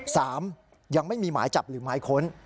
สามยังไม่มีหมายจับหรือหมายค้น